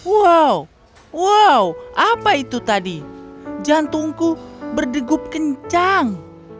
wow wow apa itu tadi jantungku berdegup kencang